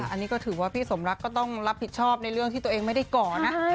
อันนี้ก็ถือว่าพี่สมรักก็ต้องรับผิดชอบในเรื่องที่ตัวเองไม่ได้ก่อนะ